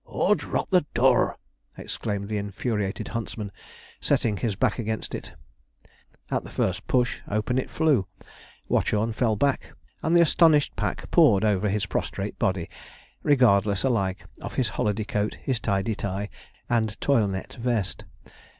''Ord rot the door!' exclaimed the infuriated huntsman, setting his back against it; at the first push, open it flew. Watchorn fell back, and the astonished pack poured over his prostrate body, regardless alike of his holiday coat, his tidy tie, and toilenette vest.